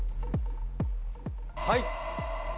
はい。